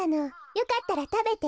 よかったらたべて。